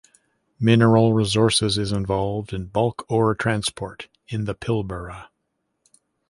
Mineral Resources is involved in bulk ore transport in the Pilbara.